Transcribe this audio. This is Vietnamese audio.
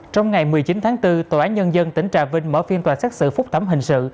trong ngày một mươi chín tháng bốn tòa án nhân dân tỉnh trà vinh mở phiên tòa xét xử phúc thẩm hình sự